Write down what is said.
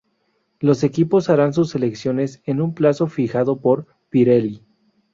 Los equipos harán sus elecciones en un plazo fijado por Pirelli.